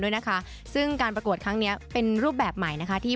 ด้วยนะคะซึ่งการประกวดครั้งเนี้ยเป็นรูปแบบใหม่นะคะที่